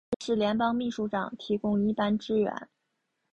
瑞士联邦秘书长提供一般支援。